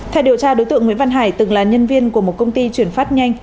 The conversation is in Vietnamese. theo điều tra đối tượng nguyễn văn hải từng là nhân viên của một công ty chuyển phát nhanh